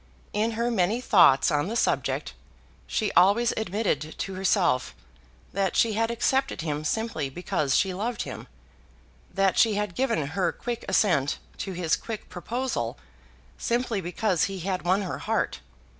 In her many thoughts on the subject, she always admitted to herself that she had accepted him simply because she loved him; that she had given her quick assent to his quick proposal simply because he had won her heart.